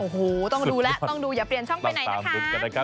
โอ้โหต้องดูแล้วต้องดูอย่าเปลี่ยนช่องไปไหนนะคะ